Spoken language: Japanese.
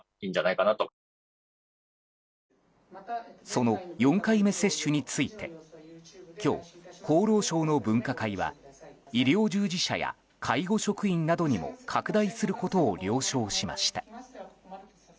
その４回目接種について今日、厚労省の分科会は医療従事者や介護職員などにも拡大することを了承しました。